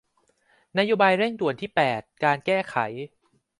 นโยบายเร่งด่วนที่แปดการแก้ไข